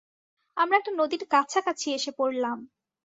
আমরা একটা নদীর কাছাকাছি এসে পড়লাম!